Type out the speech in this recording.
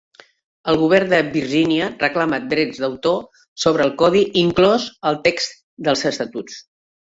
El govern de Virgínia reclama drets d'autor sobre el Codi, inclòs el text dels estatuts.